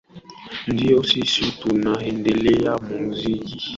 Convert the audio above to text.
ndio sisi tunaendelea muziki